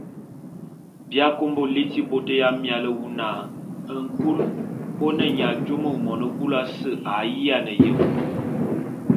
Bi akômo liti bôt ya miaé wu na nkul ô ne nya jùomo mone búlù ase a yiane yem.